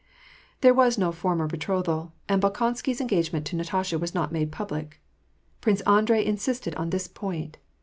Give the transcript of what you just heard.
There was no formal betrothal, and Bolkonsky's engage ment to Natasha was not made public. Prince Andrei insisted on this point.